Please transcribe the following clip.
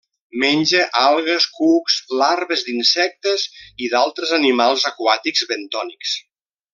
Menja algues, cucs, larves d'insectes i d'altres animals aquàtics bentònics.